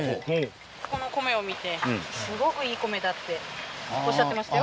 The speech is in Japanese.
この米を見て、すごくいい米だっておっしゃってましたよ。